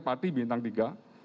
parti bintang tiga